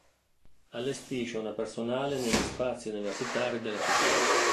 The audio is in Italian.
Allestisce una personale negli spazi universitari della città.